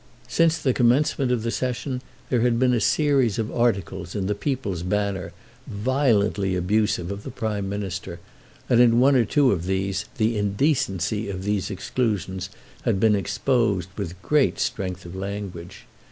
Since the commencement of the Session there had been a series of articles in the "People's Banner" violently abusive of the Prime Minister, and in one or two of these the indecency of these exclusions had been exposed with great strength of language.